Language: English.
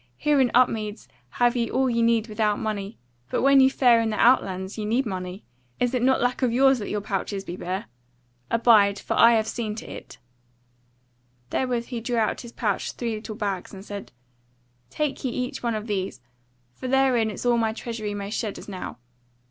Here in Upmeads have ye all ye need without money, but when ye fare in the outlands ye need money; is it not a lack of yours that your pouches be bare? Abide, for I have seen to it." Therewith he drew out of his pouch three little bags, and said; "Take ye each one of these; for therein is all that my treasury may shed as now.